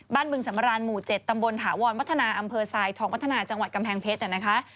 บ้านบึงสมรรณหมู่๗ตำบลถาวรวัฒนาอำเภอซายทองวัฒนาจังหวัดกำแพงเพชร